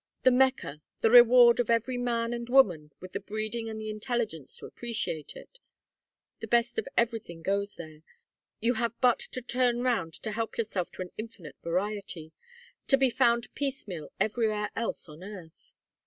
The Mecca, the reward, of every man and woman with the breeding and the intelligence to appreciate it? The best of everything goes there, you have but to turn round to help yourself to an infinite variety to be found piecemeal everywhere else on earth.